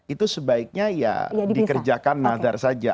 itu sebaiknya ya dikerjakan nadar saja